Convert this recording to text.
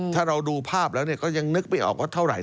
ถ้าเราดูภาพแล้วก็ยังนึกไม่ออกว่าเท่าไห